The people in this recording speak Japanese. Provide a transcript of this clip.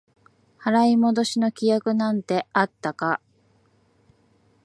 払い戻しの規約なんてあったか？